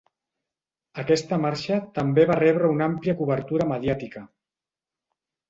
Aquesta marxa també va rebre una àmplia cobertura mediàtica.